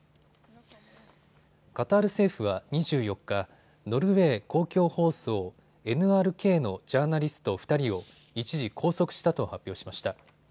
カタール政府は２４日、ノルウェー公共放送ＮＲＫのジャーナリスト２人を一時拘束したと発表しました。